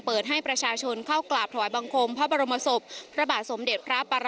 เปิดให้ประชาชนเข้ากลาดถอยบังคมพระบรมศพ